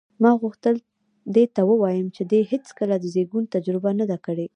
ما غوښتل دې ته ووایم چې دې هېڅکله د زېږون تجربه نه ده کړې.